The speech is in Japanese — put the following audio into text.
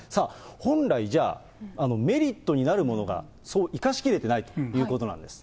本来じゃあ、メリットになるものが、そう生かしきれてないということなんです。